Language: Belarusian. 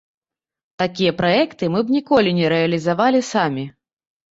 Такія праекты мы б ніколі не рэалізавалі самі.